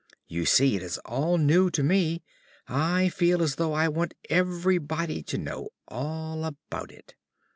You see, it is all so new to me. I feel as though I want everybody to know all about it.